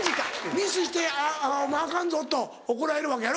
ミスして「お前アカンぞ」と怒られるわけやろ？